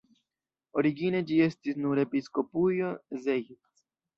Origine ĝi estis nur episkopujo Zeitz.